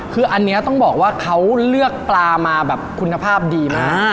คืออันนี้ต้องบอกว่าเขาเลือกปลามาแบบคุณภาพดีมาก